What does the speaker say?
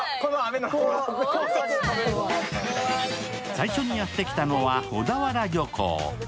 最初にやってきたのは小田原漁港。